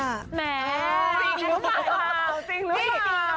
จริงหรือเปล่า